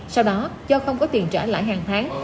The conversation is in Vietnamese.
sau đó do không có tiền trả lại hàng tháng